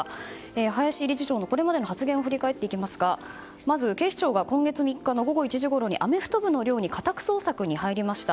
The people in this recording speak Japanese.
林理事長のこれまでの発言を振り返っていきますがまず警視庁が今月３日の午後１時ごろにアメフト部の寮に家宅捜索に入りました。